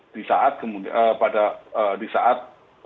di saat pada di saat